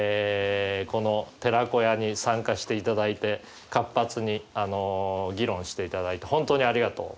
この寺子屋に参加していただいて活発に議論していただいて本当にありがとう。